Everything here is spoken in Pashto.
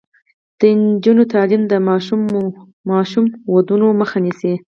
د نجونو تعلیم د ماشوم ودونو مخه نیسي.